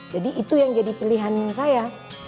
jadi itu yang jadi pilihan saya